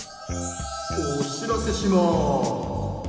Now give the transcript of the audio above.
・おしらせします。